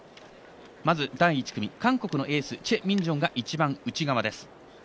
まず第１組、韓国のエースチェ・ミンジョンが一番内側です。